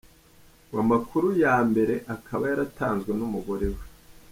Ngo amakuru ya mbere akaba yaratanzwe n’umugore we.